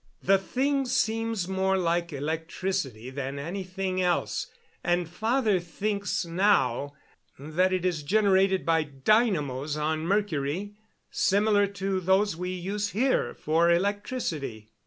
The thing seems more like electricity than anything else, and father thinks now that it is generated by dynamos on Mercury, similar to those we use here for electricity."